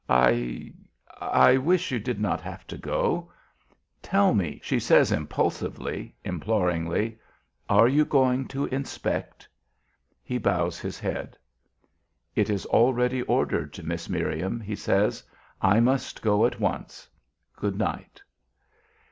"I I wish you did not have to go. Tell me," she says, impulsively, imploringly, "are you going to inspect?" He bows his head. "It is already ordered, Miss Miriam," he says; "I must go at once. Good night."